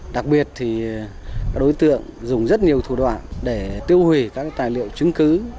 đặc biệt thì các đối tượng dùng rất nhiều thủ đoạn để tiêu hủy các tài liệu chứng cứ